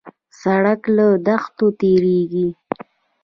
سړک له دښتو تېرېږي.